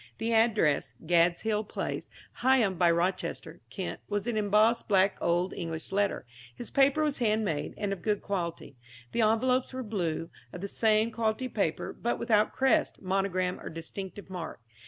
The address, Gads' Hill Place, Higham by Rochester, Kent, was in embossed black old English letter. His paper was hand made, and of good quality. The envelopes were blue, of the same quality paper, but without crest, monogram or distinctive mark.